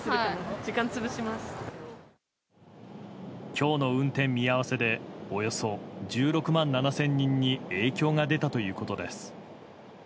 今日の運転見合わせでおよそ１６万７０００人に影響が出たということです。